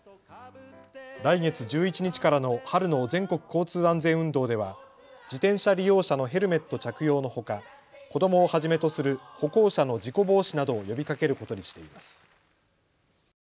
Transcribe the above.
来月１１日からの春の全国交通安全運動では自転車利用者のヘルメット着用のほか、子どもをはじめとする歩行者の事故防止などを呼びかけることにしています。